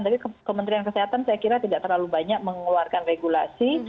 tapi kementerian kesehatan saya kira tidak terlalu banyak mengeluarkan regulasi